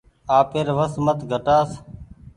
آپير وس مت گھٽآس ۔